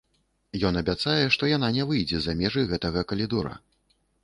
Ён абяцае, што яна не выйдзе за межы гэтага калідора.